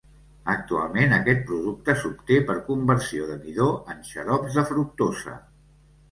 Actualment, aquest producte s’obté per conversió de midó en xarops de fructosa.